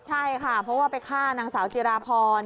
ใช่ค่ะเพราะว่าไปฆ่านางสาวจิราพร